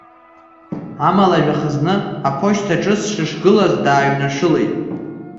Амала жәаха зны аԥошьҭа аҿы сышгылаз дааҩнашылеит.